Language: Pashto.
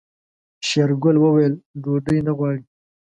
شېرګل وويل ډوډۍ نه غواړي.